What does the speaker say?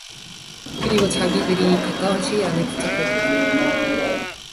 그리고 자기들이 가까운 시일 안에 붙잡힐 것 같았다.